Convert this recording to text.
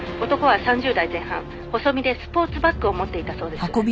「男は３０代前半細身でスポーツバッグを持っていたそうです」ん？